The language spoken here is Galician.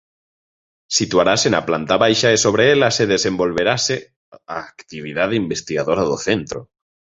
Situarase na planta baixa e sobre ela se desenvolverase a actividade investigadora do centro.